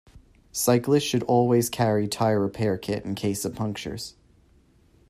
Cyclists should always carry a tyre-repair kit, in case of punctures